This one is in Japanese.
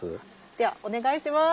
ではお願いします。